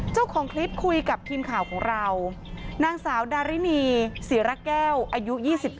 เจ้าของคลิปคุยกับทีมข่าวของเรานางสาวดารินีศรีระแก้วอายุ๒๙